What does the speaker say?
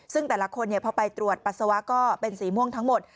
ซึ่งแต่ละคนพอไปตรวจปัสสาวะก็เป็นสีม่วงทั้งหมด